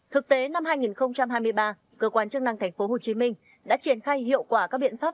thực tế năm hai nghìn hai mươi ba cơ quan chức năng tp hcm đã triển khai hiệu quả các biện pháp